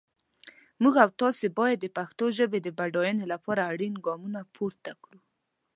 موږ او تاسي باید د پښتو ژپې د بډاینې لپاره اړین ګامونه پورته کړو.